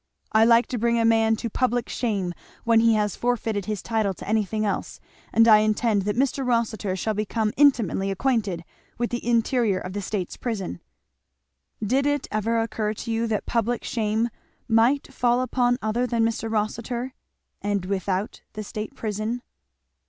I like to bring a man to public shame when he has forfeited his title to anything else; and I intend that Mr. Rossitur shall become intimately acquainted with the interior of the State's Prison." "Did it ever occur to you that public shame might fall upon other than Mr. Rossitur? and without the State Prison?"